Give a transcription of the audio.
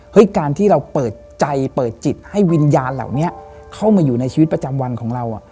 การที่เราเปิดใจเปิดจิตให้วิญญาณเหล่านี้เข้ามาอยู่ในชีวิตประจำวันของเรา